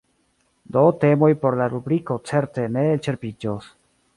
Do temoj por la rubriko certe ne elĉerpiĝos.